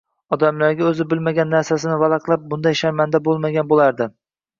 Odamlarga oʻzi bilmagan narsasini valaqlab bunday sharmanda boʻlmagan boʻlardi.